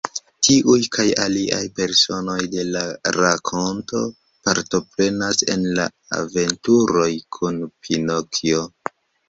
Tiuj kaj aliaj personoj de la rakonto partoprenas en la aventuroj kun Pinokjo.